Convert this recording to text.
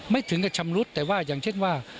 ถึงกับชำรุดแต่ว่าอย่างเช่นว่า